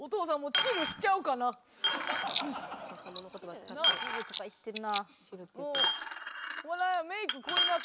チルとか言ってんな。